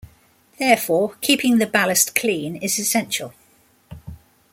Therefore, keeping the ballast clean is essential.